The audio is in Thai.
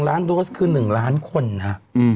ล้านโดสคือ๑ล้านคนนะ